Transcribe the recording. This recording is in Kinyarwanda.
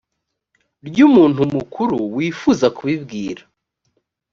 ry umuntu mukuru wifuza kubibwira